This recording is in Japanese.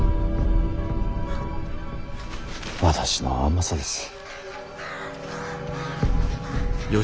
私の甘さです。